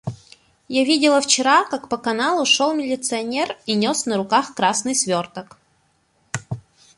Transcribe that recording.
Я видела вчера, как по каналу шёл милиционер и нёс на руках красный свёрток.